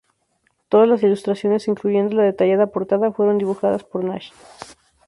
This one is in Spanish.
Todas las ilustraciones, incluyendo la detallada portada, fueron dibujadas por Nash.